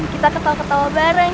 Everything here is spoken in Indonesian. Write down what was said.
kita ketawa ketawa bareng